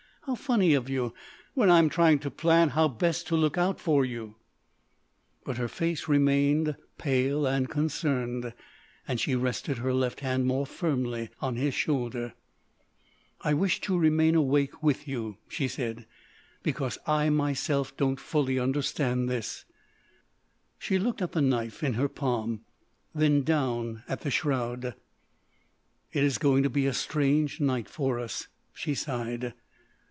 How funny of you, when I am trying to plan how best to look out for you!" But her face remained pale and concerned, and she rested her left hand more firmly on his shoulder. "I wish to remain awake with you," she said. "Because I myself don't fully understand this"—she looked at the knife in her palm, then down at the shroud. "It is going to be a strange night for us," she sighed.